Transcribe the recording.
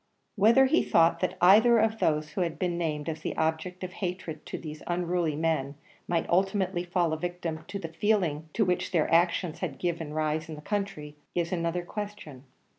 Whether he thought that either of those who had been named as the object of hatred to these unruly men might ultimately fall a victim to the feeling to which their actions had given rise in the country, is another question.